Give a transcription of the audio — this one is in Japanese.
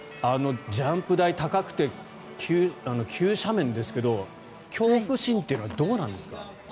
ジャンプ台、高くて急斜面ですけど恐怖心っていうのはどうなんですか？